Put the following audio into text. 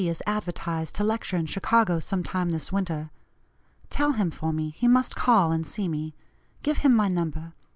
is advertised to lecture in Chicago some time this winter. Tell him, for me, he must call and see me; give him my number.